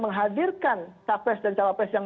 menghadirkan capres dan cawapres yang